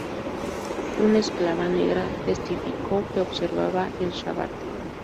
Una esclava negra testificó que observaba el "Shabbat".